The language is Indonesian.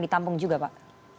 ditampung juga pak